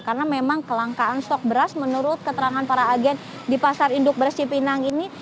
karena memang kelangkaan stok beras menurut keterangan para agen di pasar induk beras cipinang ini